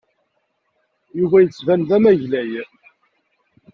Yuba yettban d amaglay.